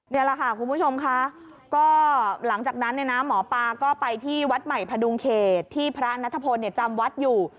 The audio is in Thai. นี่แหละค่ะคุณผู้ชมค่ะก็หลังจากนั้นเนี่ยนะหมอปลาก็ไปที่วัดใหม่พดุงเขตที่พระนัทพลจำวัดอยู่